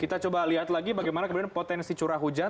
kita coba lihat lagi bagaimana kemudian potensi curah hujan